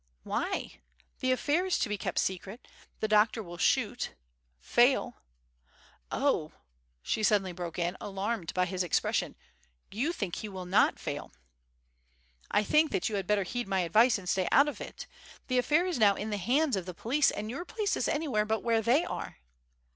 "Why? The affair is to be kept secret. The doctor will shoot, fail Oh!" she suddenly broke in, alarmed by his expression, "you think he will not fail " "I think that you had better heed my advice and stay out of it. The affair is now in the hands of the police, and your place is anywhere but where they are."